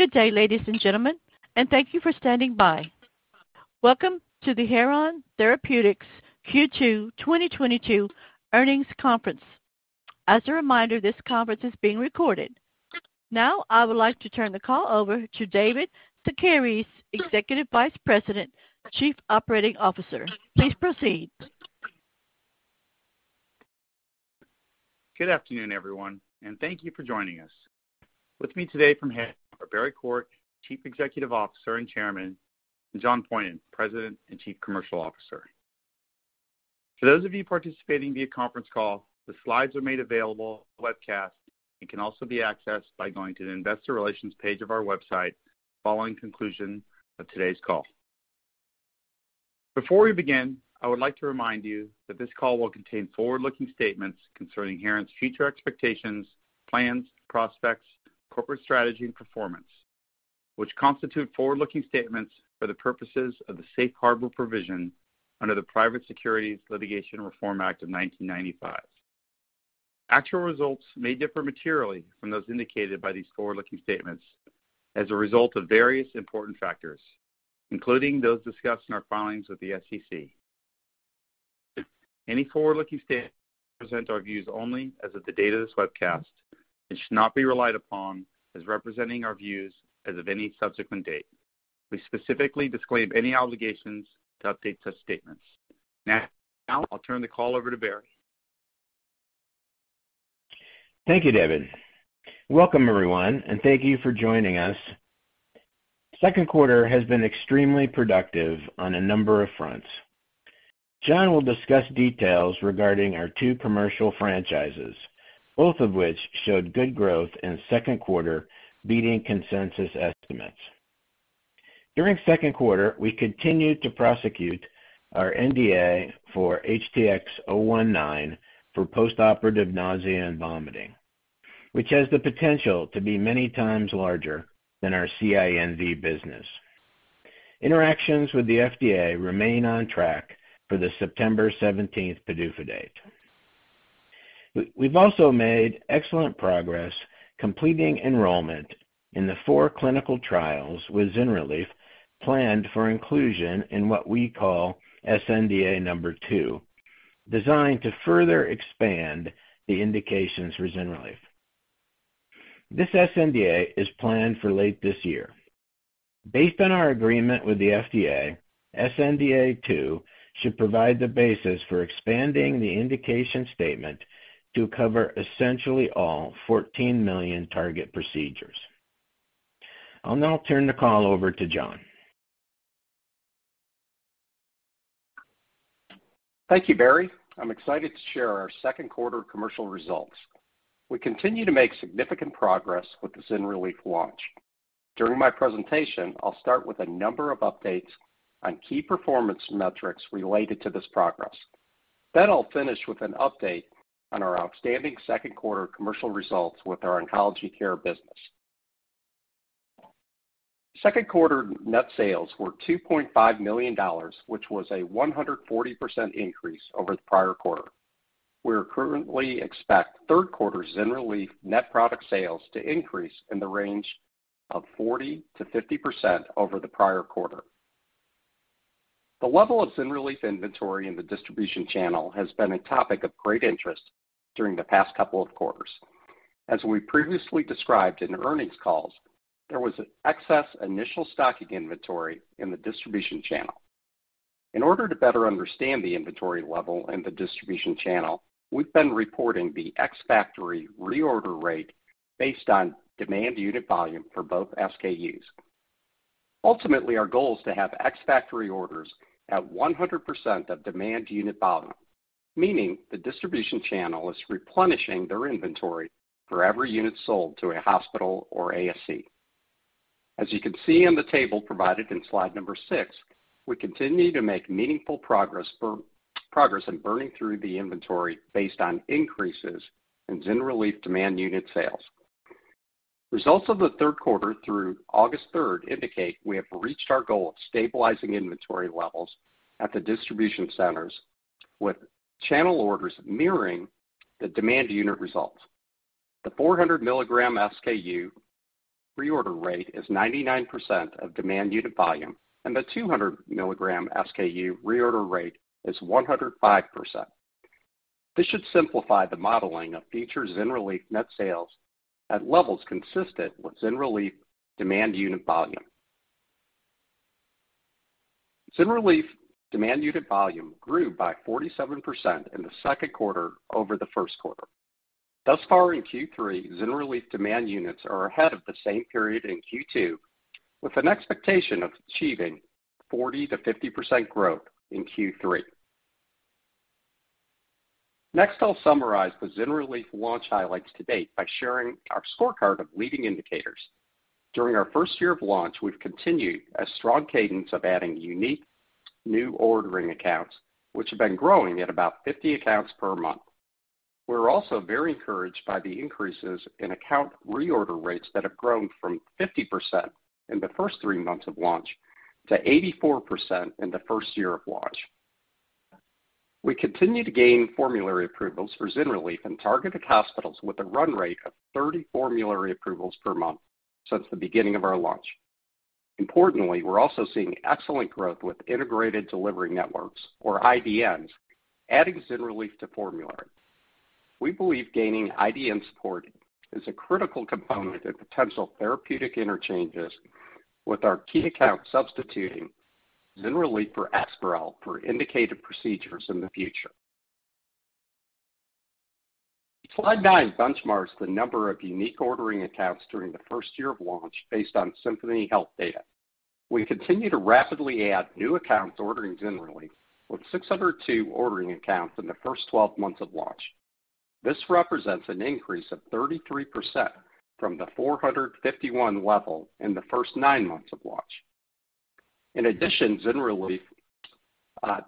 Good day, ladies and gentlemen, and thank you for standing by. Welcome to the Heron Therapeutics Q2 2022 earnings conference. As a reminder, this conference is being recorded. Now I would like to turn the call over to David Szekeres, Executive Vice President, Chief Operating Officer. Please proceed. Good afternoon, everyone, and thank you for joining us. With me today from Heron are Barry Quart, Chief Executive Officer and Chairman, and John Poyhonen, President and Chief Commercial Officer. For those of you participating via conference call, the slides are made available via webcast and can also be accessed by going to the investor relations page of our website following conclusion of today's call. Before we begin, I would like to remind you that this call will contain forward-looking statements concerning Heron's future expectations, plans, prospects, corporate strategy, and performance, which constitute forward-looking statements for the purposes of the Safe Harbor provision under the Private Securities Litigation Reform Act of 1995. Actual results may differ materially from those indicated by these forward-looking statements as a result of various important factors, including those discussed in our filings with the SEC. Any forward-looking statements present our views only as of the date of this webcast and should not be relied upon as representing our views as of any subsequent date. We specifically disclaim any obligations to update such statements. Now I'll turn the call over to Barry. Thank you, David. Welcome, everyone, and thank you for joining us. Q2 has been extremely productive on a number of fronts. John will discuss details regarding our two commercial franchises, both of which showed good growth in Q2, beating consensus estimates. During Q2, we continued to prosecute our NDA for HTX-019 for postoperative nausea and vomiting, which has the potential to be many times larger than our CINV business. Interactions with the FDA remain on track for the September 17 PDUFA date. We've also made excellent progress completing enrollment in the four clinical trials with ZYNRELEF planned for inclusion in what we call sNDA number two, designed to further expand the indications for ZYNRELEF. This sNDA is planned for late this year. Based on our agreement with the FDA, sNDA two should provide the basis for expanding the indication statement to cover essentially all 14 million target procedures. I'll now turn the call over to John. Thank you, Barry. I'm excited to share our Q2 commercial results. We continue to make significant progress with the ZYNRELEF launch. During my presentation, I'll start with a number of updates on key performance metrics related to this progress. I'll finish with an update on our outstanding Q2 commercial results with our oncology care business. Q2 net sales were $2.5 million, which was a 140% increase over the prior quarter. We currently expect Q3 ZYNRELEF net product sales to increase in the range of 40%-50% over the prior quarter. The level of ZYNRELEF inventory in the distribution channel has been a topic of great interest during the past couple of quarters. We previously described in earnings calls; there was excess initial stocking inventory in the distribution channel. In order to better understand the inventory level in the distribution channel, we've been reporting the ex-factory reorder rate based on demand unit volume for both SKUs. Ultimately, our goal is to have ex-factory orders at 100% of demand unit volume, meaning the distribution channel is replenishing their inventory for every unit sold to a hospital or ASC. As you can see in the table provided in slide six, we continue to make meaningful progress in burning through the inventory based on increases in ZYNRELEF demand unit sales. Results of the Q3 through August 3 indicate we have reached our goal of stabilizing inventory levels at the distribution centers with channel orders mirroring the demand unit results. The 400 mg SKU reorder rate is 99% of demand unit volume, and the 200 mg SKU reorder rate is 105%. This should simplify the modeling of future ZYNRELEF net sales at levels consistent with ZYNRELEF demand unit volume. ZYNRELEF demand unit volume grew by 47% in the Q2 over the Q3. Thus far in Q3, ZYNRELEF demand units are ahead of the same period in Q2, with an expectation of achieving 40%-50% growth in Q3. Next, I'll summarize the ZYNRELEF launch highlights to date by sharing our scorecard of leading indicators. During our first year of launch, we've continued a strong cadence of adding unique new ordering accounts, which have been growing at about 50 accounts per month. We're also very encouraged by the increases in account reorder rates that have grown from 50% in the first three months of launch to 84% in the first year of launch. We continue to gain formulary approvals for ZYNRELEF in targeted hospitals with a run rate of 30 formulary approvals per month since the beginning of our launch. Importantly, we're also seeing excellent growth with integrated delivery networks, or IDNs, adding ZYNRELEF to formulary. We believe gaining IDN support is a critical component of potential therapeutic interchanges, with our key accounts substituting ZYNRELEF for EXPAREL for indicated procedures in the future. Slide nine benchmarks the number of unique ordering accounts during the first year of launch based on Symphony Health data. We continue to rapidly add new accounts ordering ZYNRELEF, with 602 ordering accounts in the first 12 months of launch. This represents an increase of 33% from the 451 level in the first nine months of launch. In addition, ZYNRELEF,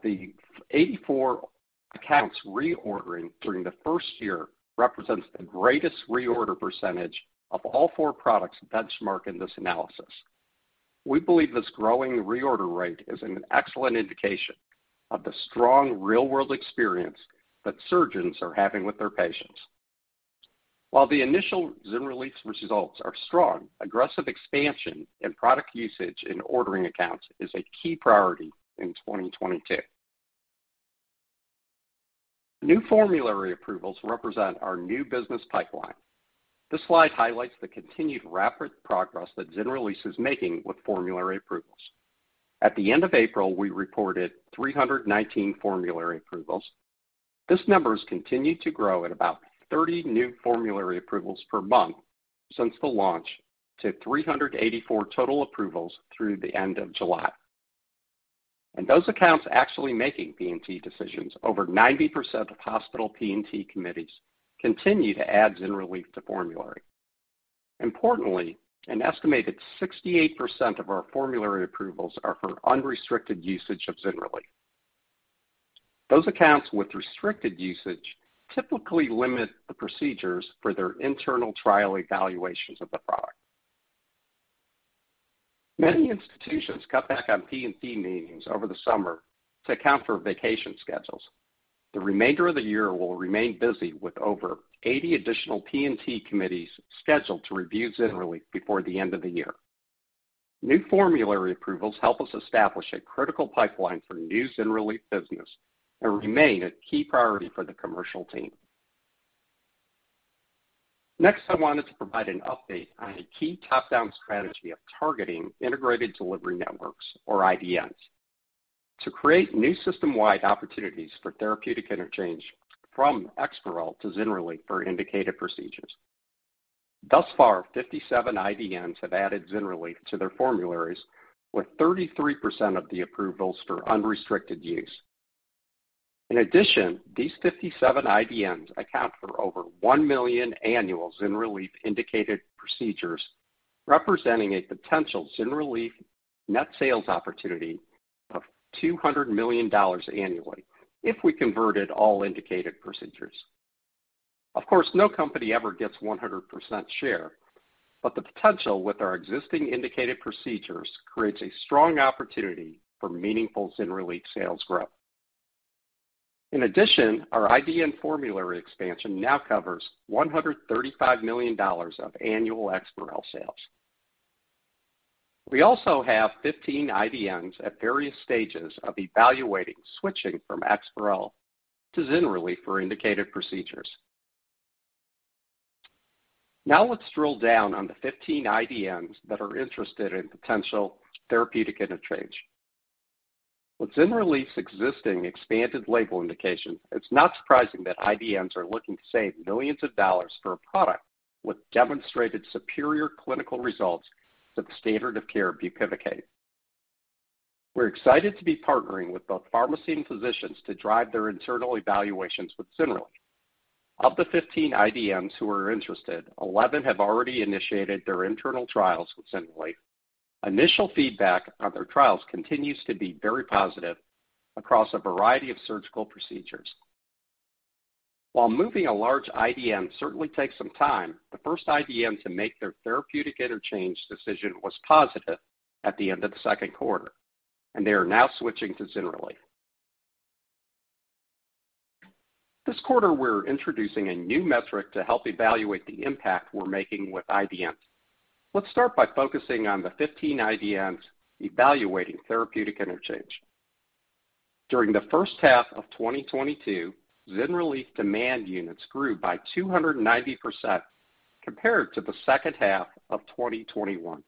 the 84 accounts reordering during the first year represents the greatest reorder percentage of all four products benchmarked in this analysis. We believe this growing reorder rate is an excellent indication of the strong real-world experience that surgeons are having with their patients. While the initial ZYNRELEF results are strong, aggressive expansion and product usage in ordering accounts is a key priority in 2022. New formulary approvals represent our new business pipeline. This slide highlights the continued rapid progress that ZYNRELEF is making with formulary approvals. At the end of April, we reported 319 formulary approvals. This number has continued to grow at about 30 new formulary approvals per month since the launch to 384 total approvals through the end of July. In those accounts actually making P&T decisions, over 90% of hospital P&T committees continue to add ZYNRELEF to formulary. Importantly, an estimated 68% of our formulary approvals are for unrestricted usage of ZYNRELEF. Those accounts with restricted usage typically limit the procedures for their internal trial evaluations of the product. Many institutions cut back on P&T meetings over the summer to account for vacation schedules. The remainder of the year will remain busy with over 80 additional P&T committees scheduled to review ZYNRELEF before the end of the year. New formulary approvals help us establish a critical pipeline for new ZYNRELEF business and remain a key priority for the commercial team. Next, I wanted to provide an update on a key top-down strategy of targeting integrated delivery networks, or IDNs, to create new system-wide opportunities for therapeutic interchange from EXPAREL to ZYNRELEF for indicated procedures. Thus far, 57 IDNs have added ZYNRELEF to their formularies, with 33% of the approvals for unrestricted use. In addition, these 57 IDNs account for over 1 million annual ZYNRELEF indicated procedures, representing a potential ZYNRELEF net sales opportunity of $200 million annually if we converted all indicated procedures. Of course, no company ever gets 100% share, but the potential with our existing indicated procedures creates a strong opportunity for meaningful ZYNRELEF sales growth. In addition, our IDN formulary expansion now covers $135 million of annual EXPAREL sales. We also have 15 IDNs at various stages of evaluating switching from EXPAREL to ZYNRELEF for indicated procedures. Now let's drill down on the 15 IDNs that are interested in potential therapeutic interchange. With ZYNRELEF's existing expanded label indication, it's not surprising that IDNs are looking to save $ millions for a product with demonstrated superior clinical results to the standard of care bupivacaine. We're excited to be partnering with both pharmacy and physicians to drive their internal evaluations with ZYNRELEF. Of the 15 IDNs who are interested, 11 have already initiated their internal trials with ZYNRELEF. Initial feedback on their trials continues to be very positive across a variety of surgical procedures. While moving a large IDN certainly takes some time, the first IDN to make their therapeutic interchange decision was positive at the end of the Q2, and they are now switching to ZYNRELEF. This quarter, we're introducing a new metric to help evaluate the impact we're making with IDNs. Let's start by focusing on the 15 IDNs evaluating therapeutic interchange. During the H1 of 2022, ZYNRELEF demand units grew by 290% compared to the H2 of 2021.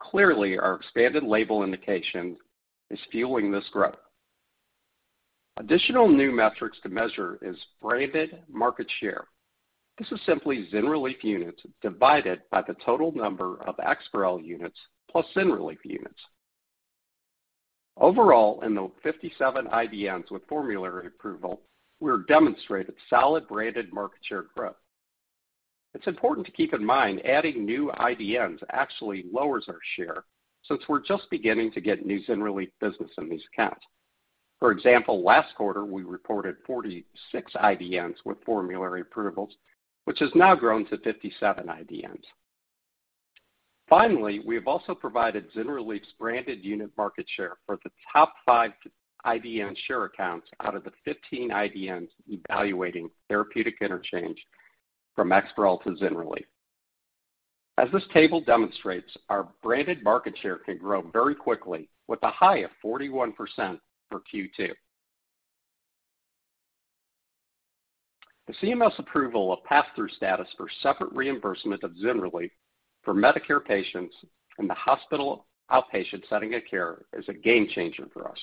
Clearly, our expanded label indication is fueling this growth. Additional new metrics to measure is branded market share. This is simply ZYNRELEF units divided by the total number of EXPAREL units plus ZYNRELEF units. Overall, in the 57 IDNs with formulary approval, we have demonstrated solid branded market share growth. It's important to keep in mind adding new IDNs actually lowers our share since we're just beginning to get new ZYNRELEF business in these accounts. For example, last quarter, we reported 46 IDNs with formulary approvals, which has now grown to 57 IDNs. Finally, we have also provided ZYNRELEF's branded unit market share for the top 5 IDN share accounts out of the 15 IDNs evaluating therapeutic interchange from EXPAREL to ZYNRELEF. As this table demonstrates, our branded market share can grow very quickly with a high of 41% for Q2. The CMS approval of passthrough status for separate reimbursement of ZYNRELEF for Medicare patients in the hospital outpatient setting of care is a game changer for us.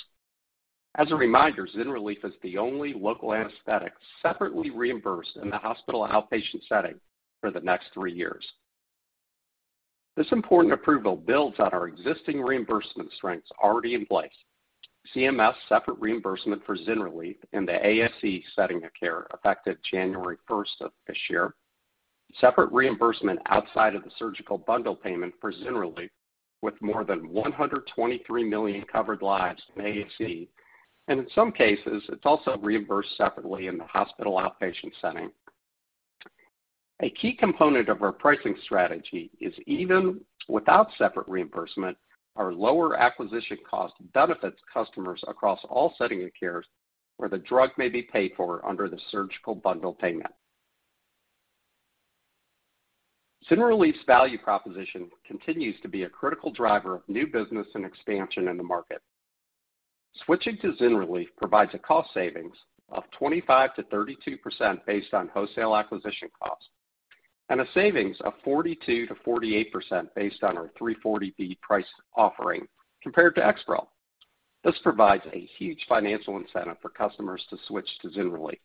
As a reminder, ZYNRELEF is the only local anesthetic separately reimbursed in the hospital outpatient setting for the next three years. This important approval builds on our existing reimbursement strengths already in place. CMS separate reimbursement for ZYNRELEF in the ASC setting of care effective January 1, 2022. Separate reimbursement outside of the surgical bundle payment for ZYNRELEF, with more than 123 million covered lives in ASC, and in some cases, it's also reimbursed separately in the hospital outpatient setting. A key component of our pricing strategy is even without separate reimbursement, our lower acquisition cost benefits customers across all settings of care where the drug may be paid for under the surgical bundle payment. ZYNRELEF's value proposition continues to be a critical driver of new business and expansion in the market. Switching to ZYNRELEF provides a cost savings of 25%-32% based on wholesale acquisition cost, and a savings of 42%-48% based on our 340B price offering compared to EXPAREL. This provides a huge financial incentive for customers to switch to ZYNRELEF.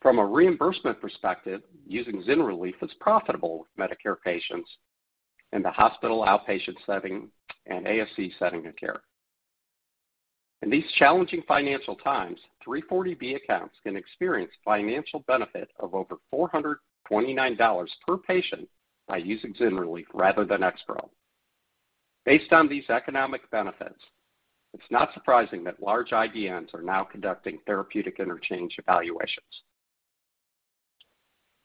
From a reimbursement perspective, using ZYNRELEF is profitable with Medicare patients in the hospital outpatient setting and ASC setting of care. In these challenging financial times, 340B accounts can experience financial benefit of over $429 per patient by using ZYNRELEF rather than EXPAREL. Based on these economic benefits, it's not surprising that large IDNs are now conducting therapeutic interchange evaluations.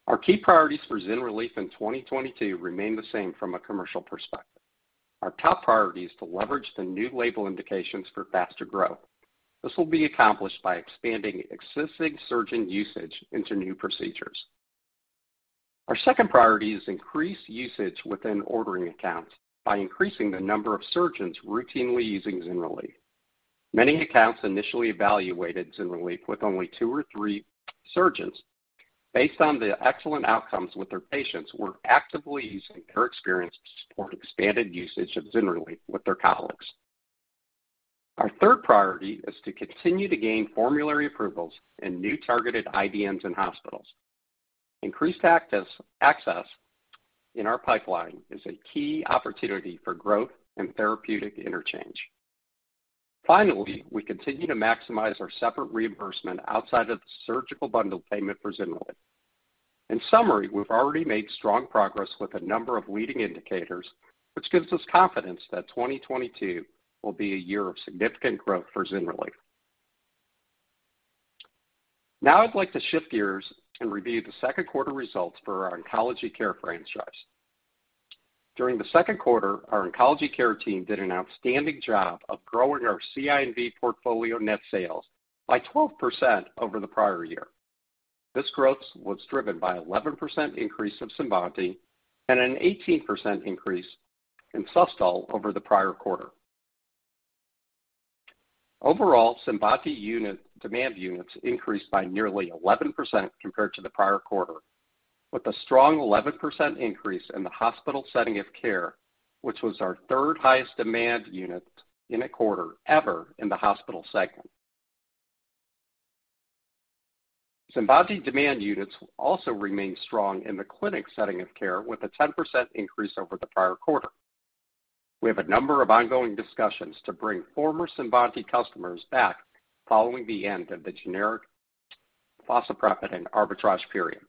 Our key priorities for ZYNRELEF in 2022 remain the same from a commercial perspective. Our top priority is to leverage the new label indications for faster growth. This will be accomplished by expanding existing surgeon usage into new procedures. Our second priority is increase usage within ordering accounts by increasing the number of surgeons routinely using ZYNRELEF. Many accounts initially evaluated ZYNRELEF with only two or three surgeons based on the excellent outcomes with their patients who are actively using their experience to support expanded usage of ZYNRELEF with their colleagues. Our third priority is to continue to gain formulary approvals in new targeted IDNs and hospitals. Increased access in our pipeline is a key opportunity for growth and therapeutic interchange. Finally, we continue to maximize our separate reimbursement outside of the surgical bundle payment for ZYNRELEF. In summary, we've already made strong progress with a number of leading indicators, which gives us confidence that 2022 will be a year of significant growth for ZYNRELEF. Now I'd like to shift gears and review the Q2 results for our oncology care franchise. During the Q2, our oncology care team did an outstanding job of growing our CINV portfolio net sales by 12% over the prior year. This growth was driven by 11% increase of CINVANTI and an 18% increase in SUSTOL over the prior quarter. Overall, CINVANTI unit demand units increased by nearly 11% compared to the prior quarter, with a strong 11% increase in the hospital setting of care, which was our third highest demand unit in a quarter ever in the hospital segment. CINVANTI demand units also remain strong in the clinic setting of care with a 10% increase over the prior quarter. We have a number of ongoing discussions to bring former CINVANTI customers back following the end of the generic fosaprepitant arbitrage period.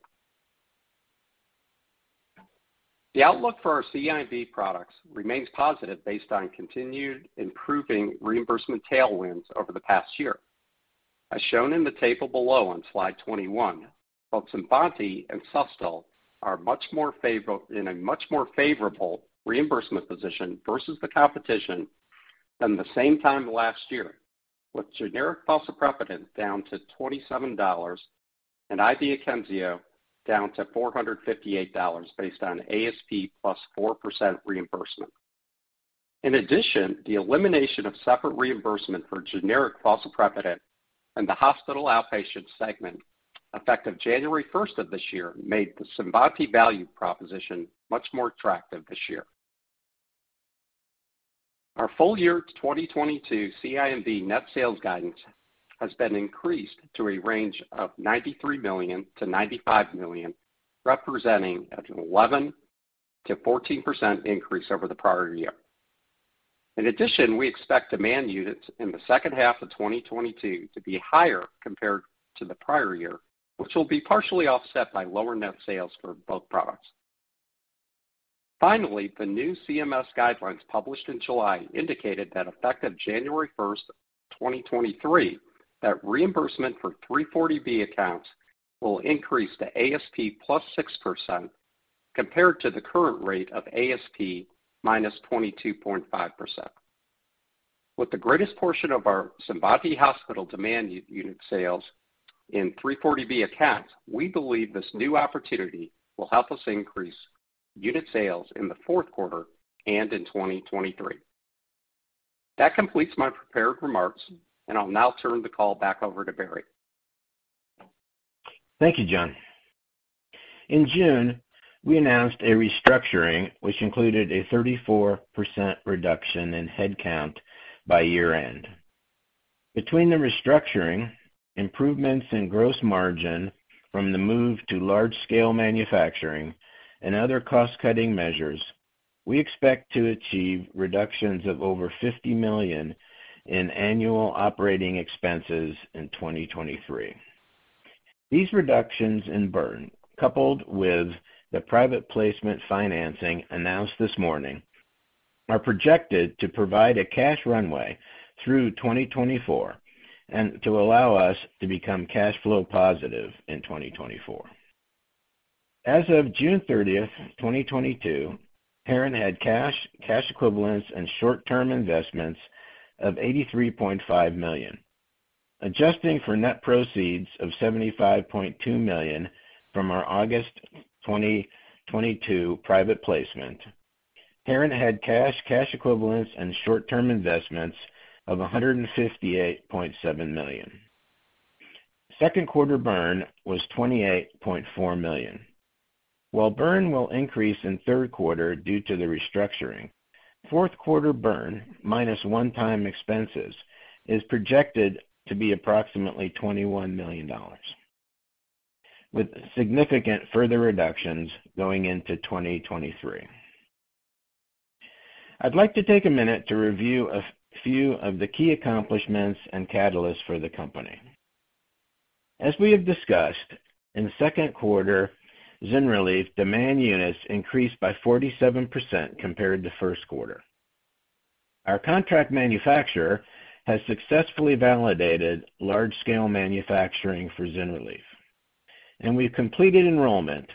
The outlook for our CINV products remains positive based on continued improving reimbursement tailwinds over the past year. As shown in the table below on slide 21, both CINVANTI and SUSTOL are much more favorable, in a much more favorable reimbursement position versus the competition than the same time last year, with generic fosaprepitant down to $27 and IV Emend down to $458 based on ASP +4% reimbursement. In addition, the elimination of separate reimbursement for generic fosaprepitant in the hospital outpatient segment effective January 1, 2022, made the CINVANTI value proposition much more attractive this year. Our full year 2022 CINV net sales guidance has been increased to a range of $93 million-$95 million, representing an 11%-14% increase over the prior year. In addition, we expect demand units in the H2 of 2022 to be higher compared to the prior year, which will be partially offset by lower net sales for both products. Finally, the new CMS guidelines published in July indicated that effective January 1, 2023, that reimbursement for 340B accounts will increase to ASP +6% compared to the current rate of ASP -22.5%. With the greatest portion of our CINVANTI hospital demand unit sales in 340B accounts, we believe this new opportunity will help us increase unit sales in the Q4 and in 2023. That completes my prepared remarks, and I'll now turn the call back over to Barry. Thank you, John. In June, we announced a restructuring which included a 34% reduction in head count by year-end. Between the restructuring, improvements in gross margin from the move to large scale manufacturing and other cost-cutting measures, we expect to achieve reductions of over $50 million in annual operating expenses in 2023. These reductions in burn, coupled with the private placement financing announced this morning, are projected to provide a cash runway through 2024 and to allow us to become cash flow positive in 2024. As of June 30, 2022, Heron had cash equivalents and short-term investments of $83.5 million. Adjusting for net proceeds of $75.2 million from our August 2022 private placement, Heron had cash equivalents and short-term investments of $158.7 million. Q2 burn was $28.4 million. While burn will increase in Q3 due to the restructuring, Q4 burn minus one-time expenses is projected to be approximately $21 million, with significant further reductions going into 2023. I'd like to take a minute to review a few of the key accomplishments and catalysts for the company. As we have discussed in Q2, ZYNRELEF demand units increased by 47% compared to Q1. Our contract manufacturer has successfully validated large scale manufacturing for ZYNRELEF, and we've completed enrollment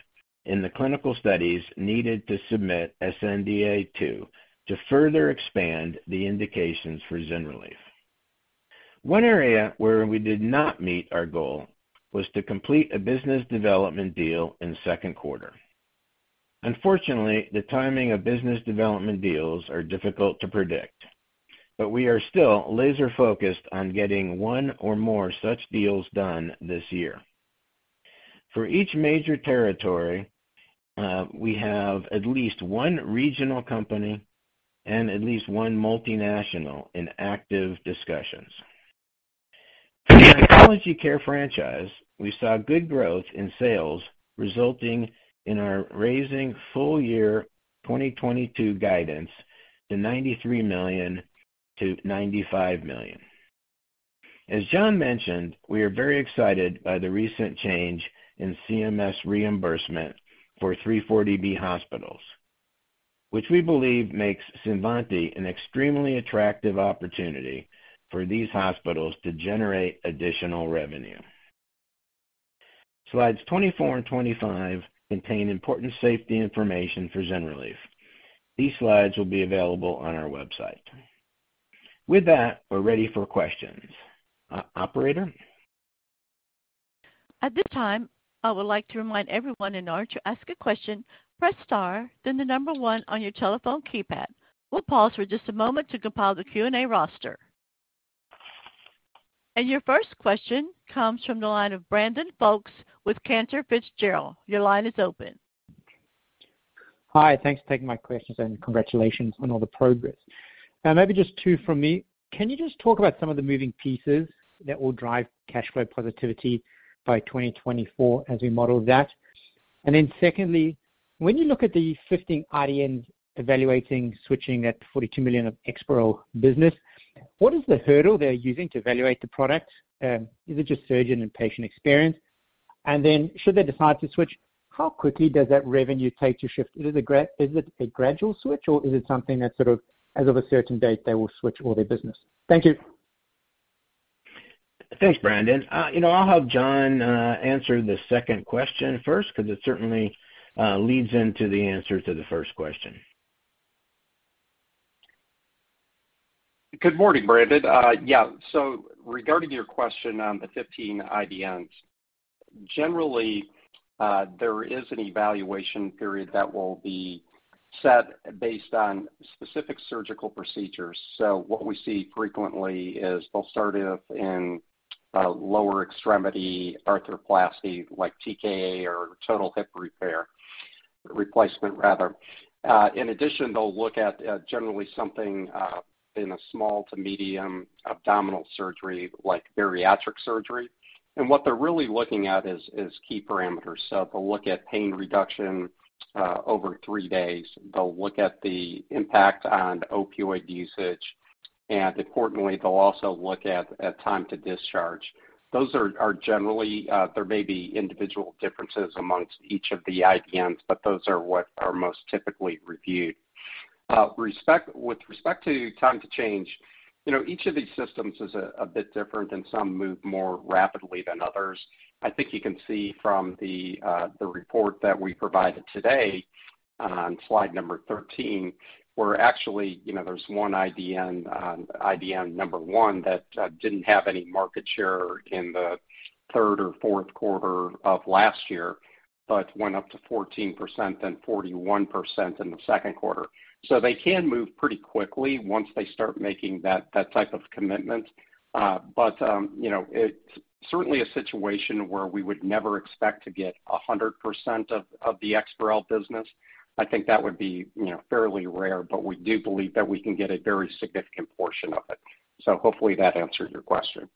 in the clinical studies needed to submit sNDA two to further expand the indications for ZYNRELEF. One area where we did not meet our goal was to complete a business development deal in Q2. Unfortunately, the timing of business development deals are difficult to predict, but we are still laser-focused on getting one or more such deals done this year. For each major territory, we have at least one regional company and at least one multinational in active discussions. For the oncology care franchise, we saw good growth in sales resulting in our raising full year 2022 guidance to $93 million-$95 million. As John mentioned, we are very excited by the recent change in CMS reimbursement for 340B hospitals, which we believe makes CINVANTI an extremely attractive opportunity for these hospitals to generate additional revenue. Slides 24 and 25 contain important safety information for ZYNRELEF. These slides will be available on our website. With that, we're ready for questions. Operator? At this time, I would like to remind everyone in order to ask a question, press star then the number one on your telephone keypad. We'll pause for just a moment to compile the Q&A roster. Your first question comes from the line of Brandon Folkes with Cantor Fitzgerald. Your line is open. Hi. Thanks for taking my questions and congratulations on all the progress. Now maybe just two from me. Can you just talk about some of the moving pieces that will drive cash flow positivity by 2024 as we model that? And then secondly, when you look at the 15 IDNs evaluating switching at $42 million of EXPAREL business, what is the hurdle they're using to evaluate the product? Is it just surgeon and patient experience? And then should they decide to switch, how quickly does that revenue take to shift? Is it a gradual switch, or is it something that sort of as of a certain date they will switch all their business? Thank you. Thanks, Brandon. You know, I'll have John answer the second question first 'cause it certainly leads into the answer to the first question. Good morning, Brandon. Regarding your question on the 15 IDNs, generally, there is an evaluation period that will be set based on specific surgical procedures. What we see frequently is they'll start it off in a lower extremity arthroplasty like TKA or total hip replacement rather. In addition, they'll look at generally something in a small to medium abdominal surgery like bariatric surgery. What they're really looking at is key parameters. They'll look at pain reduction over three days. They'll look at the impact on opioid usage, and importantly, they'll also look at time to discharge. Those are generally there may be individual differences amongst each of the IDNs, but those are what are most typically reviewed. With respect to time to change, you know, each of these systems is a bit different and some move more rapidly than others. I think you can see from the report that we provided today on slide number 13, where actually, you know, there's one IDN number one that didn't have any market share in the Q3 or Q4 of last year but went up to 14% then 41% in the Q2. They can move pretty quickly once they start making that type of commitment. But you know, it's certainly a situation where we would never expect to get 100% of the EXPAREL business. I think that would be, you know, fairly rare, but we do believe that we can get a very significant portion of it. Hopefully that answered your question.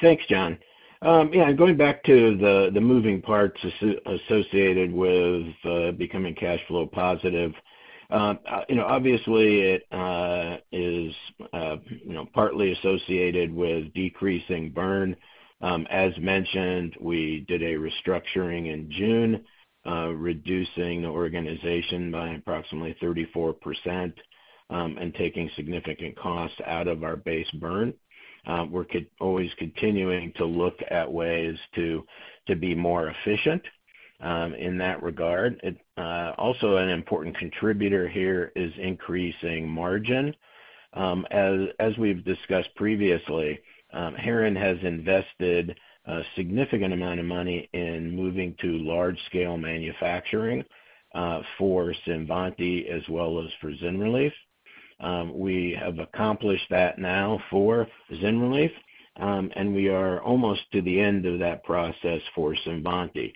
Thanks, John. Yeah, going back to the moving parts associated with becoming cash flow positive. You know, obviously it is, you know, partly associated with decreasing burn. As mentioned, we did a restructuring in June, reducing the organization by approximately 34%, and taking significant costs out of our base burn. We're always continuing to look at ways to be more efficient in that regard. Also, an important contributor here is increasing margin. As we've discussed previously, Heron has invested a significant amount of money in moving to large scale manufacturing for CINVANTI as well as for ZYNRELEF. We have accomplished that now for ZYNRELEF, and we are almost to the end of that process for CINVANTI.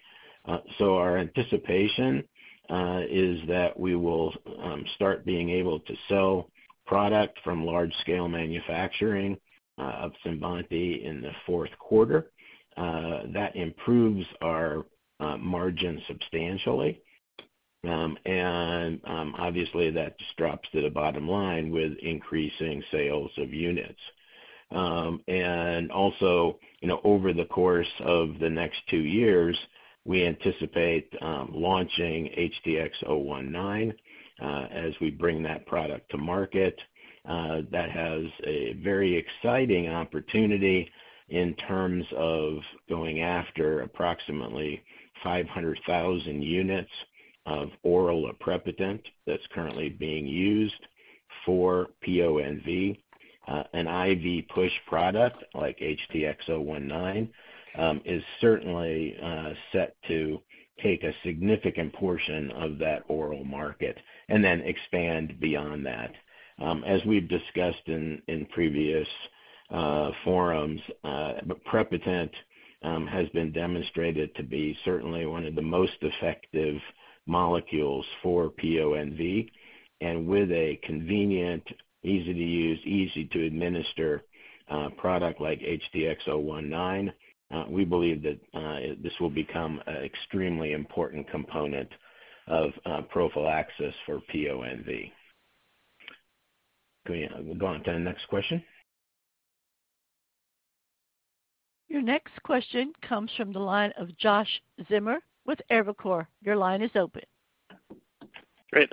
Our anticipation is that we will start being able to sell product from large scale manufacturing of CINVANTI in the Q4. That improves our margin substantially. Obviously, that just drops to the bottom line with increasing sales of units. Also, you know, over the course of the next two years, we anticipate launching HTX-019 as we bring that product to market. That has a very exciting opportunity in terms of going after approximately 500,000 units of oral aprepitant that's currently being used for PONV. An IV push product like HTX-019 is certainly set to take a significant portion of that oral market and then expand beyond that. As we've discussed in previous forums, but aprepitant has been demonstrated to be certainly one of the most effective molecules for PONV. With a convenient, easy to use, easy to administer product like HTX-019, we believe that this will become an extremely important component of prophylaxis for PONV. Can we go on to the next question? Your next question comes from the line of Josh Schimmer with Evercore. Your line is open. Great.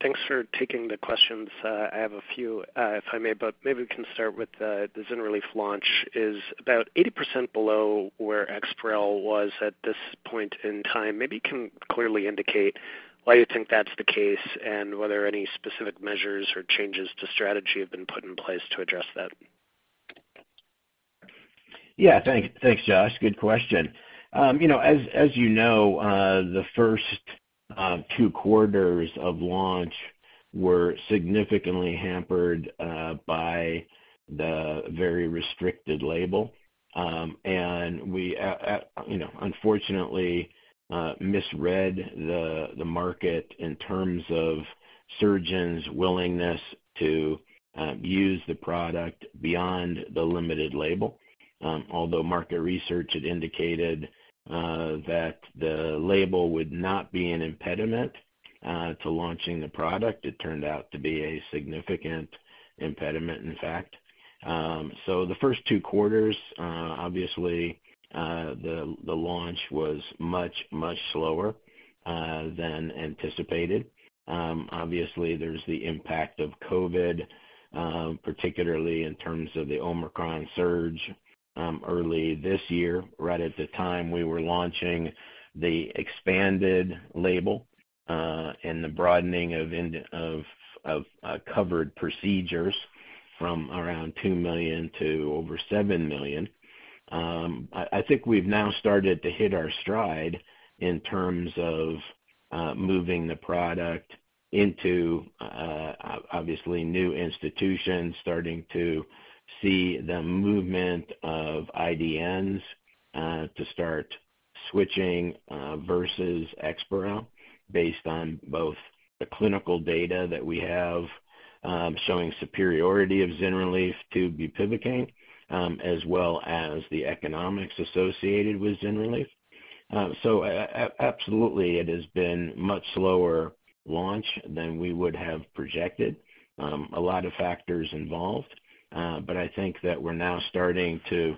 Thanks for taking the questions. I have a few, if I may, but maybe we can start with the ZYNRELEF launch is about 80% below where EXPAREL was at this point in time. Maybe you can clearly indicate why you think that's the case and whether any specific measures or changes to strategy have been put in place to address that. Yeah. Thanks, Josh. Good question. You know, as you know, the first two quarters of launch were significantly hampered by the very restricted label. We, you know, unfortunately, misread the market in terms of surgeons' willingness to use the product beyond the limited label. Although market research had indicated that the label would not be an impediment to launching the product, it turned out to be a significant impediment, in fact. The first two quarters, obviously, the launch was much slower than anticipated. Obviously, there's the impact of COVID, particularly in terms of the Omicron surge, early this year, right at the time we were launching the expanded label, and the broadening of covered procedures from around 2 million to over 7 million. I think we've now started to hit our stride in terms of moving the product into obviously new institutions, starting to see the movement of IDNs to start switching versus EXPAREL based on both the clinical data that we have, showing superiority of ZYNRELEF to bupivacaine, as well as the economics associated with ZYNRELEF. Absolutely it has been much slower launch than we would have projected. A lot of factors involved, but I think that we're now starting to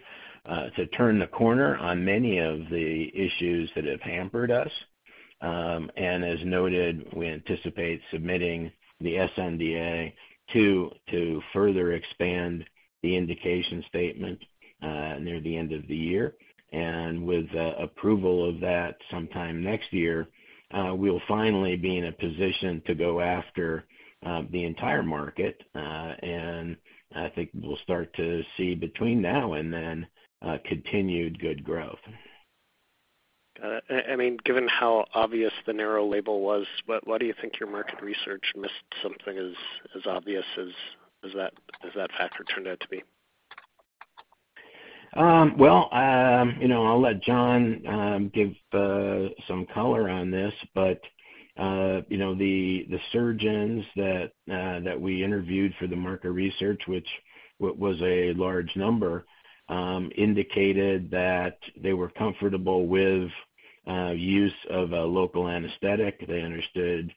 turn the corner on many of the issues that have hampered us. As noted, we anticipate submitting the sNDA two to further expand the indication statement near the end of the year. With the approval of that sometime next year, we'll finally be in a position to go after the entire market. I think we'll start to see between now and then continued good growth. Got it. I mean, given how obvious the narrow label was, why do you think your market research missed something as obvious as that factor turned out to be? Well, you know, I'll let John give some color on this. You know, the surgeons that we interviewed for the market research, which was a large number, indicated that they were comfortable with use of a local anesthetic. They understood,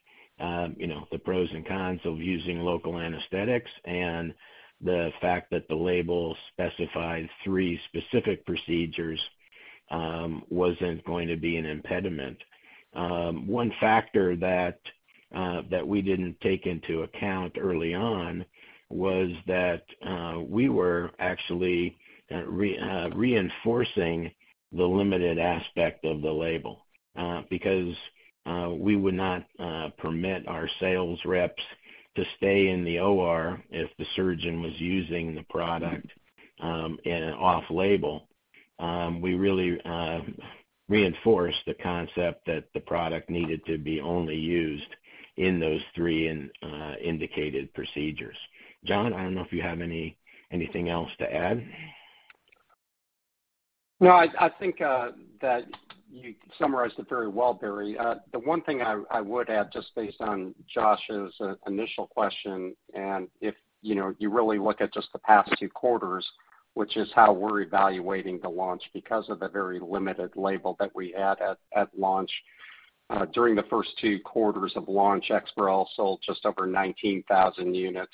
you know, the pros and cons of using local anesthetics, and the fact that the label specified three specific procedures wasn't going to be an impediment. One factor that we didn't take into account early on was that we were actually reinforcing the limited aspect of the label, because we would not permit our sales reps to stay in the OR if the surgeon was using the product in an off-label. We really reinforced the concept that the product needed to be only used in those three indicated procedures. John, I don't know if you have anything else to add. No, I think that you summarized it very well, Barry. The one thing I would add just based on Josh's initial question, and if you know you really look at just the past two quarters, which is how we're evaluating the launch because of the very limited label that we had at launch. During the first two quarters of launch, EXPAREL sold just over 19,000 units,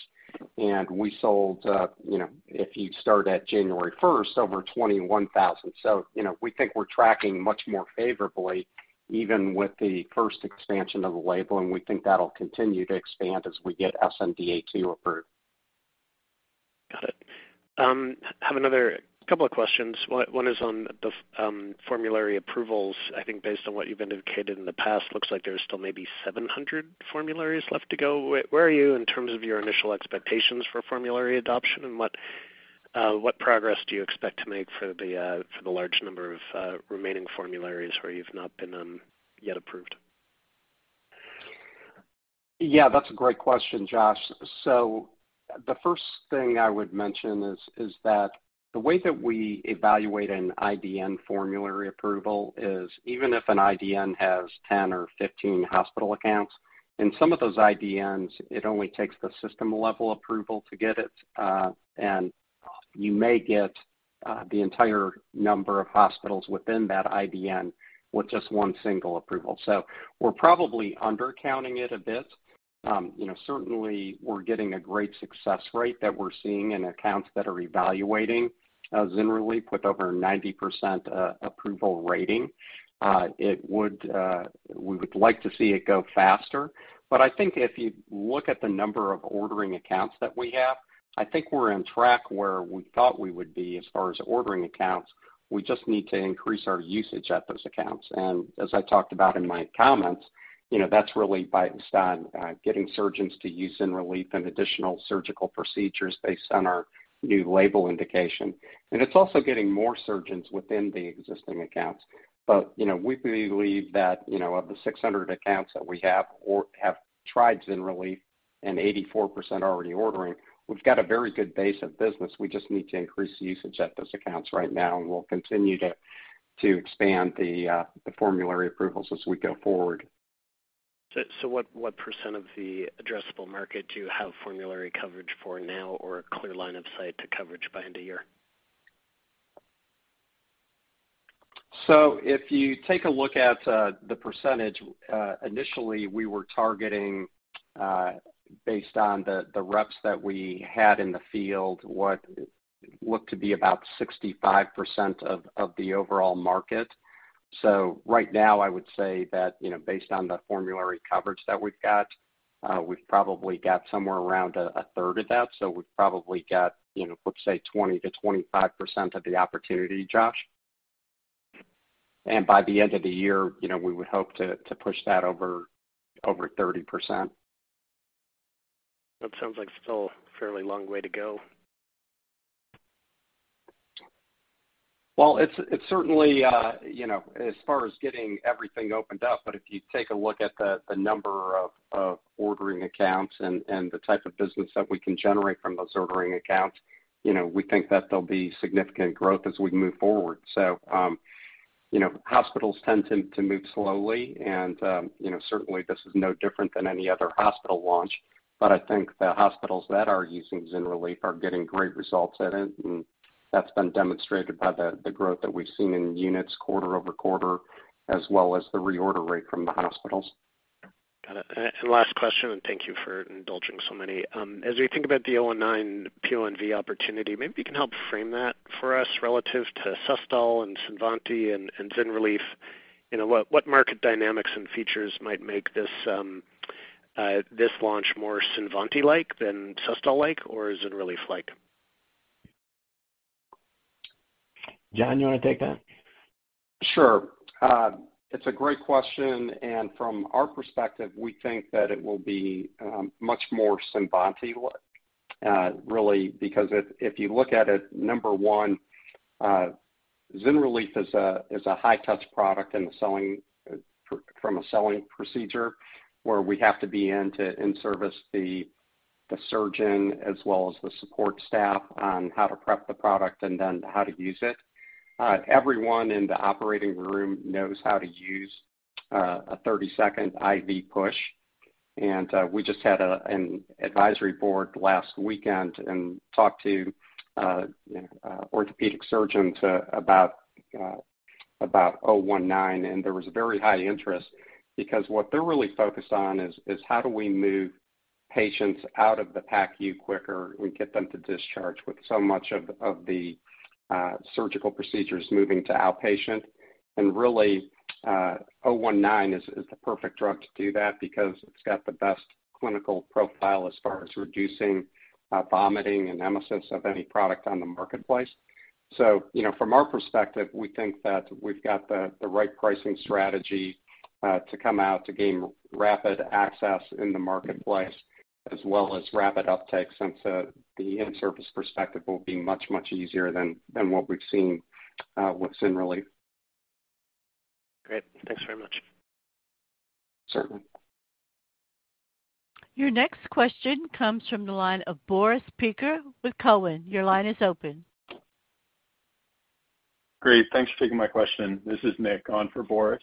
and we sold, you know, if you start at January first, over 21,000. So, you know, we think we're tracking much more favorably even with the first expansion of the label, and we think that'll continue to expand as we get sNDA two approved. Got it. Have another couple of questions. One is on the formulary approvals. I think based on what you've indicated in the past, looks like there's still maybe 700 formularies left to go. Where are you in terms of your initial expectations for formulary adoption, and what progress do you expect to make for the large number of remaining formularies where you've not been yet approved? Yeah, that's a great question, Josh. The first thing I would mention is that the way that we evaluate an IDN formulary approval is even if an IDN has 10 or 15 hospital accounts, in some of those IDNs, it only takes the system level approval to get it, and you may get the entire number of hospitals within that IDN with just one single approval. We're probably undercounting it a bit. You know, certainly we're getting a great success rate that we're seeing in accounts that are evaluating ZYNRELEF with over 90% approval rating. We would like to see it go faster. I think if you look at the number of ordering accounts that we have, I think we're on track where we thought we would be as far as ordering accounts. We just need to increase our usage at those accounts. As I talked about in my comments, you know, that's really based on getting surgeons to use ZYNRELEF in additional surgical procedures based on our new label indication. It's also getting more surgeons within the existing accounts. You know, we believe that, you know, of the 600 accounts that we have or have tried ZYNRELEF and 84% already ordering, we've got a very good base of business. We just need to increase usage at those accounts right now, and we'll continue to expand the formulary approvals as we go forward. What percent of the addressable market do you have formulary coverage for now or a clear line of sight to coverage by end of year? If you take a look at the percentage initially, we were targeting based on the reps that we had in the field, what looked to be about 65% of the overall market. Right now, I would say that you know based on the formulary coverage that we've got we've probably got somewhere around a 1/3 of that. We've probably got you know let's say 20%-25% of the opportunity, Josh. By the end of the year, you know we would hope to push that over 30%. That sounds like still a fairly long way to go. Well, it's certainly, you know, as far as getting everything opened up, but if you take a look at the number of ordering accounts and the type of business that we can generate from those ordering accounts, you know, we think that there'll be significant growth as we move forward. You know, hospitals tend to move slowly and, you know, certainly this is no different than any other hospital launch. I think the hospitals that are using ZYNRELEF are getting great results in it, and that's been demonstrated by the growth that we've seen in units quarter-over-quarter as well as the reorder rate from the hospitals. Got it. Last question and thank you for indulging so many. As we think about the HTX-019 PONV opportunity, maybe you can help frame that for us relative to SUSTOL and CINVANTI and ZYNRELEF. You know, what market dynamics and features might make this launch more CINVANTI-like than SUSTOL-like or ZYNRELEF-like? John, you wanna take that? Sure. It's a great question, and from our perspective, we think that it will be much more CINVANTI-like, really because if you look at it, number one, ZYNRELEF is a high touch product from a selling procedure where we have to be in to in-service the surgeon as well as the support staff on how to prep the product and then how to use it. Everyone in the operating room knows how to use a 30-second IV push. We just had an advisory board last weekend and talked to orthopedic surgeons about HTX-019, and there was a very high interest because what they're really focused on is how do we move patients out of the PACU quicker and get them to discharge with so much of the surgical procedures moving to outpatient. Really, HTX-019 is the perfect drug to do that because it's got the best clinical profile as far as reducing vomiting and emesis of any product on the marketplace. You know, from our perspective, we think that we've got the right pricing strategy to come out to gain rapid access in the marketplace as well as rapid uptake since the in-service perspective will be much, much easier than what we've seen with ZYNRELEF. Great. Thanks very much. Certainly. Your next question comes from the line of Boris Peaker with Cowen. Your line is open. Great. Thanks for taking my question. This is Nick on for Boris.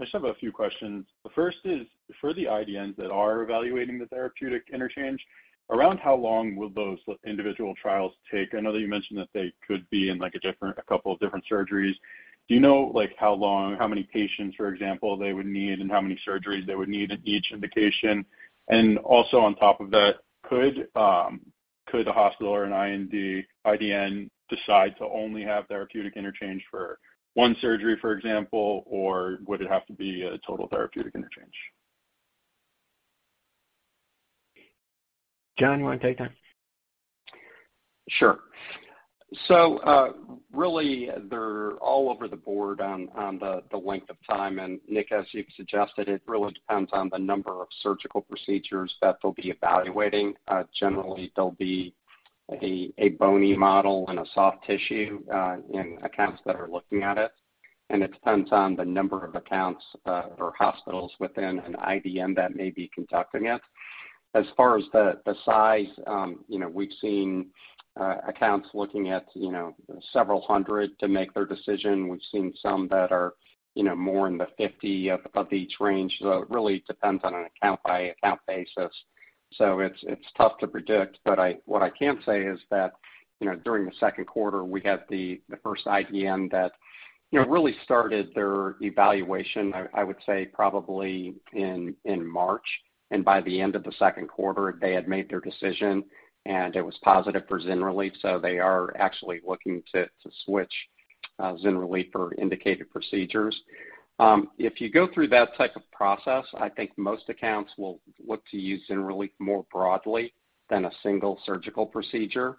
I just have a few questions. The first is, for the IDNs that are evaluating the therapeutic interchange, around how long will those individual trials take? I know that you mentioned that they could be in like a couple of different surgeries. Do you know like how long, how many patients, for example, they would need and how many surgeries they would need in each indication? Also, on top of that, could the hospital or an IDN decide to only have therapeutic interchange for one surgery, for example, or would it have to be a total therapeutic interchange? John, you wanna take that? Sure. Really they're all over the board on the length of time. Nick, as you've suggested, it really depends on the number of surgical procedures that they'll be evaluating. Generally there'll be a bony model and a soft tissue in accounts that are looking at it, and it depends on the number of accounts or hospitals within an IDN that may be conducting it. As far as the size, you know, we've seen accounts looking at, you know, several hundred to make their decision. We've seen some that are, you know, more in the 50 of each range. It really depends on an account by account basis. It's tough to predict, but what I can say is that, you know, during the Q2 we had the first IDN that, you know, really started their evaluation, I would say probably in March. By the end of the Q2 they had made their decision, and it was positive for ZYNRELEF. They are actually looking to switch ZYNRELEF for indicated procedures. If you go through that type of process, I think most accounts will look to use ZYNRELEF more broadly than a single surgical procedure.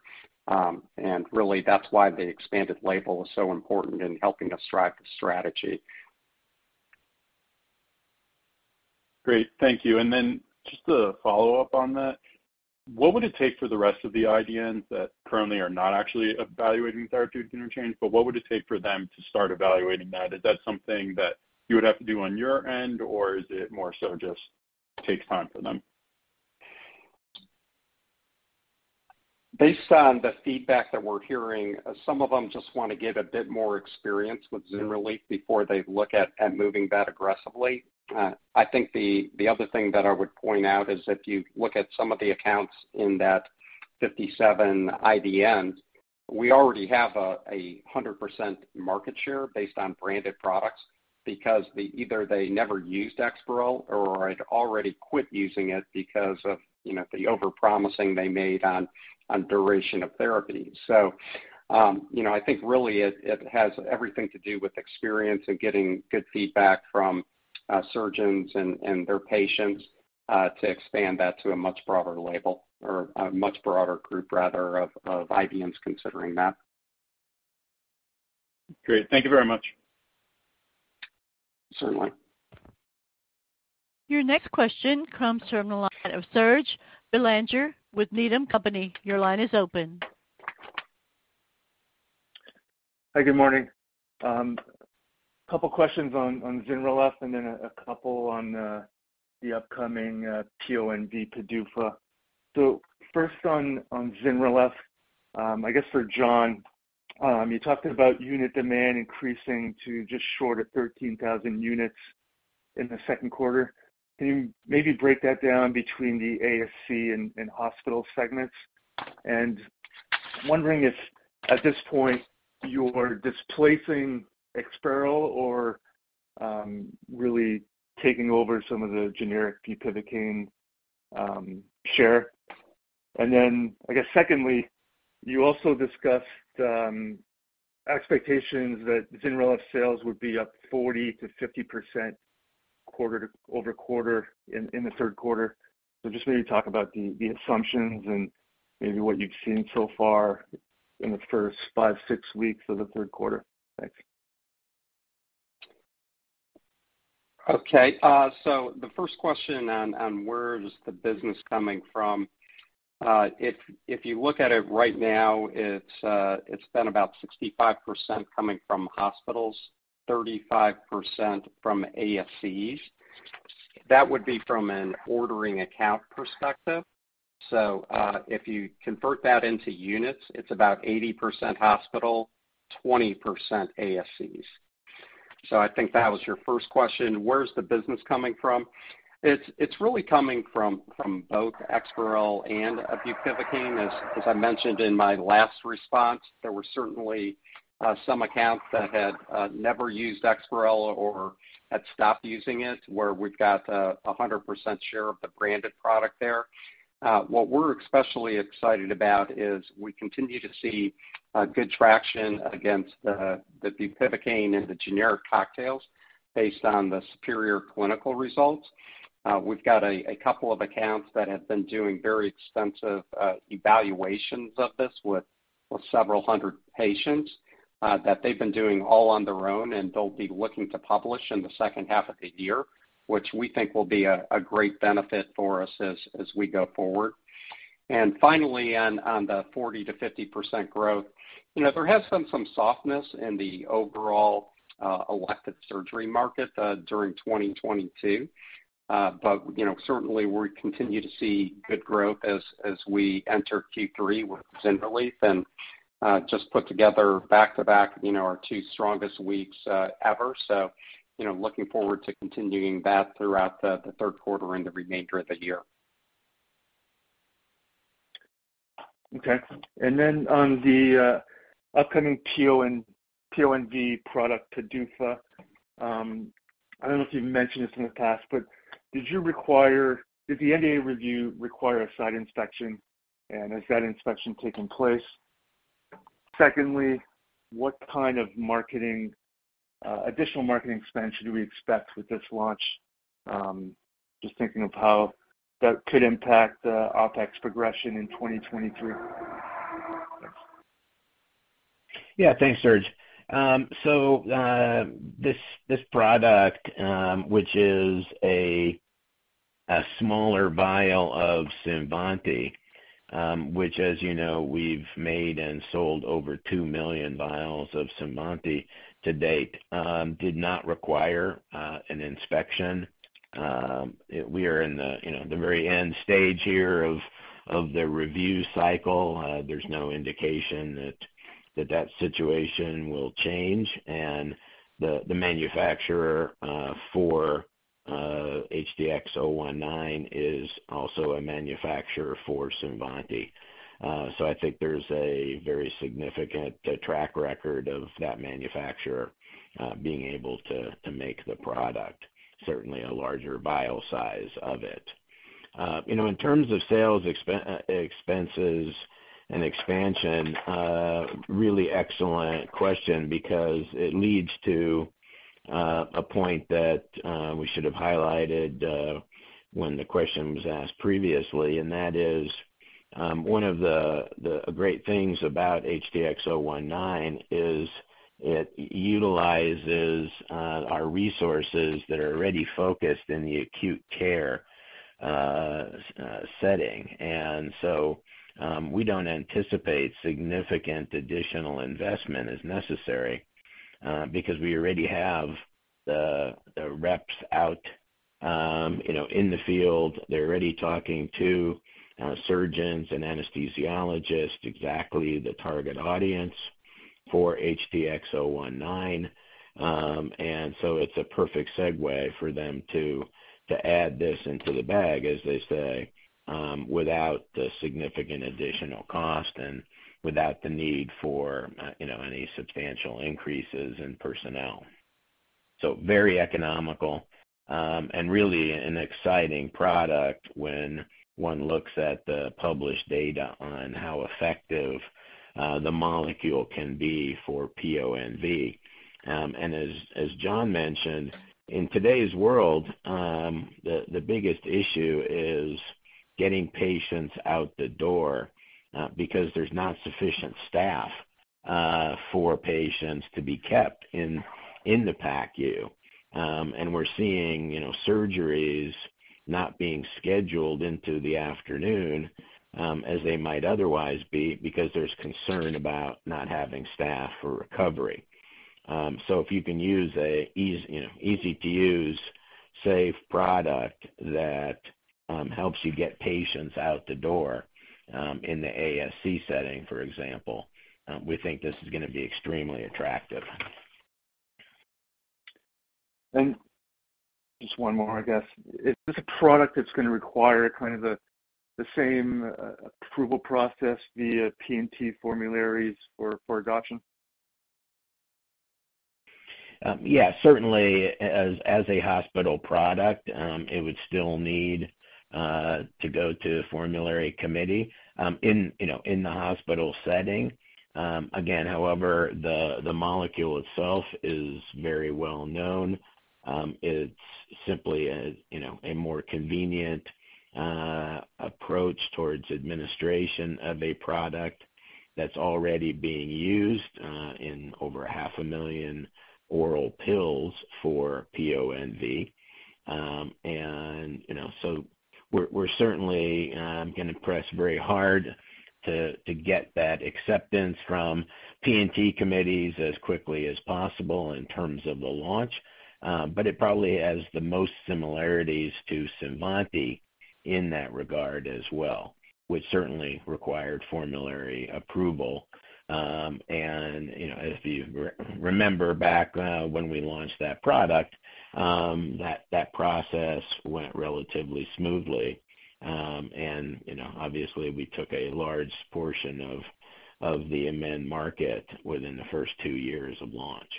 Really that's why the expanded label is so important in helping us drive the strategy. Great. Thank you. Just a follow-up on that. What would it take for the rest of the IDNs that currently are not actually evaluating therapeutic interchange, but what would it take for them to start evaluating that? Is that something that you would have to do on your end, or is it more so just takes time for them? Based on the feedback that we're hearing, some of them just wanna get a bit more experience with ZYNRELEF before they look at moving that aggressively. I think the other thing that I would point out is if you look at some of the accounts in that 57 IDNs, we already have 100% market share based on branded products because either they never used EXPAREL or had already quit using it because of, you know, the overpromising they made on duration of therapy. You know, I think really it has everything to do with experience and getting good feedback from surgeons and their patients to expand that to a much broader label or a much broader group rather of IDNs considering that. Great. Thank you very much. Certainly. Your next question comes from the line of Serge Belanger with Needham & Company. Your line is open. Hi, good morning. Couple questions on ZYNRELEF and then a couple on the upcoming PONV PDUFA. First on ZYNRELEF, I guess for John. You talked about unit demand increasing to just short of 13,000 units in the Q2. Can you maybe break that down between the ASC and hospital segments? I'm wondering if at this point, you're displacing EXPAREL or really taking over some of the generic bupivacaine share. Then I guess secondly, you also discussed expectations that ZYNRELEF sales would be up 40%-50% quarter-over-quarter in the Q3. Just maybe talk about the assumptions and maybe what you've seen so far in the first five, six weeks of the Q3. Thanks. Okay. The first question on where is the business coming from. If you look at it right now, it's been about 65% coming from hospitals, 35% from ASCs. That would be from an ordering account perspective. If you convert that into units, it's about 80% hospital, 20% ASCs. I think that was your first question, where's the business coming from? It's really coming from both EXPAREL and bupivacaine. As I mentioned in my last response, there were certainly some accounts that had never used EXPAREL or had stopped using it, where we've got a 100% share of the branded product there. What we're especially excited about is we continue to see good traction against the bupivacaine and the generic cocktails based on the superior clinical results. We've got a couple of accounts that have been doing very extensive evaluations of this with several hundred patients that they've been doing all on their own, and they'll be looking to publish in the H2 of the year, which we think will be a great benefit for us as we go forward. Finally, on the 40%-50% growth, you know, there has been some softness in the overall elective surgery market during 2022. Certainly we continue to see good growth as we enter Q3 with ZYNRELEF and just put together back-to-back, you know, our two strongest weeks ever. You know, looking forward to continuing that throughout the Q3 and the remainder of the year. Okay. On the upcoming PONV product PDUFA, I don't know if you've mentioned this in the past, but did the NDA review require a site inspection, and has that inspection taken place? Secondly, what kind of additional marketing spend should we expect with this launch? Just thinking of how that could impact OpEx progression in 2023. Yeah. Thanks, Serge. So, this product, which is a smaller vial of CINVANTI, which as you know, we've made and sold over 2 million vials of CINVANTI to date, did not require an inspection. We are in the, you know, the very end stage here of the review cycle. There's no indication that that situation will change. The manufacturer for HTX-019 is also a manufacturer for CINVANTI. So I think there's a very significant track record of that manufacturer being able to make the product certainly a larger vial size of it. You know, in terms of sales expenses and expansion, really excellent question because it leads to a point that we should have highlighted when the question was asked previously, and that is, one of the great things about HTX-019 is it utilizes our resources that are already focused in the acute care setting. We don't anticipate significant additional investment is necessary because we already have the reps out, you know, in the field. They're already talking to surgeons and anesthesiologists, exactly the target audience for HTX-019. It's a perfect segue for them to add this into the bag, as they say, without the significant additional cost and without the need for, you know, any substantial increases in personnel. Very economical, and really an exciting product when one looks at the published data on how effective the molecule can be for PONV. As John mentioned, in today's world, the biggest issue is getting patients out the door because there's not sufficient staff for patients to be kept in the PACU. We're seeing, you know, surgeries not being scheduled into the afternoon as they might otherwise be because there's concern about not having staff for recovery. If you can use an easy-to-use, safe product that helps you get patients out the door in the ASC setting, for example, we think this is gonna be extremely attractive. Just one more, I guess. Is this a product that's gonna require kind of the same approval process via P&T formularies for adoption? Yeah, certainly as a hospital product, it would still need to go to formulary committee, you know, in the hospital setting. Again, however, the molecule itself is very well known. It's simply you know a more convenient approach towards administration of a product that's already being used in over 500,000 oral pills for PONV. You know, we're certainly gonna press very hard to get that acceptance from P&T committees as quickly as possible in terms of the launch. It probably has the most similarities to CINVANTI in that regard as well, which certainly required formulary approval. You know, if you remember back when we launched that product, that process went relatively smoothly. You know, obviously we took a large portion of the Emend market within the first two years of launch.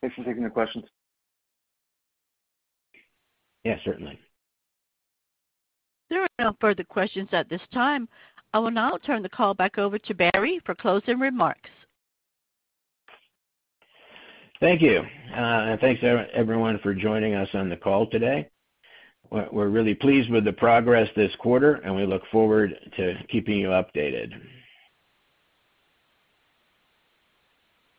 Thanks for taking the questions. Yeah, certainly. There are no further questions at this time. I will now turn the call back over to Barry for closing remarks. Thank you. Thanks everyone for joining us on the call today. We're really pleased with the progress this quarter, and we look forward to keeping you updated.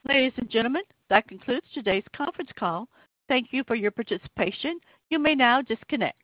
Ladies and gentlemen, that concludes today's conference call. Thank you for your participation. You may now disconnect.